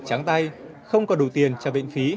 tráng tay không có đủ tiền cho bệnh phí